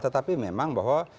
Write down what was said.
tetapi memang bahwa